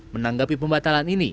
menanggapi pembatalan ini